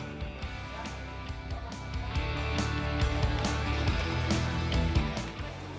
perlindungan perusahaan di area ini